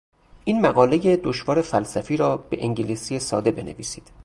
این مقالهی دشوار فلسفی رابه انگلیسی ساده بنویسید.